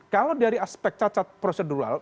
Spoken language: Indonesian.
kalau dari aspek cacat prosedural